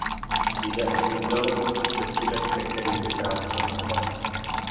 Jde o ideologický předsudek, se kterým bych rád skoncoval.